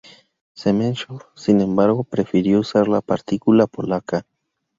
Zamenhof sin embargo, prefirió usar la partícula polaca.